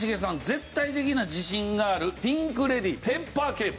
絶対的な自信があるピンク・レディー『ペッパー警部』。